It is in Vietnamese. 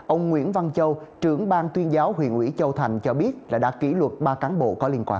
ông nguyễn văn châu trưởng bang tuyên giáo huyện ủy châu thành cho biết đã kỷ luật ba cán bộ có liên quan